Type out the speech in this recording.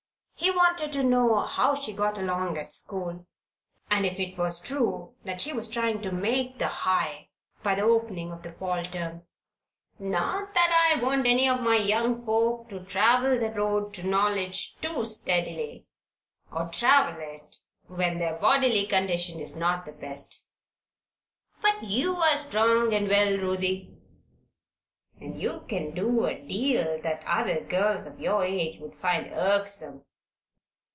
He wanted to know how she got along at school, and if it was true that she was trying to "make" the High by the opening of the fall term. "Not that I want any of my young folk to travel the road to knowledge too steadily, or travel it when their bodily condition is not the best. But you are strong and well, Ruthie, and you can do a deal that other girls of your age would find irksome.